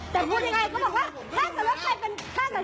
แต่พูดยังไงก็บอกว่าถ้าเกิดว่าใครเป็นดัง